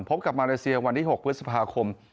พบกับมาเลเซียวันที่๖พฤษภาคม